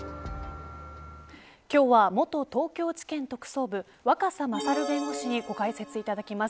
今日は、元東京地検特捜部若狭勝弁護士にご解説いただきます。